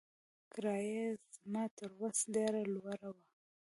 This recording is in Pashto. کرايه يې زما تر وس ډېره لوړه وه.